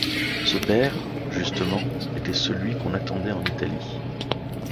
Ce père, justement, était celui qu’on attendait en Italie.